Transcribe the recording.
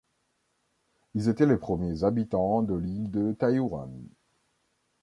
Ils étaient les premiers habitants de l'île de Taïwan.